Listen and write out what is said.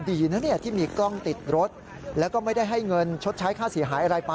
ดีนะเนี่ยที่มีกล้องติดรถแล้วก็ไม่ได้ให้เงินชดใช้ค่าเสียหายอะไรไป